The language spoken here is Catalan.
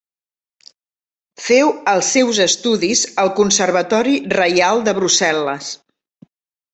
Féu els seus estudis al Conservatori reial de Brussel·les.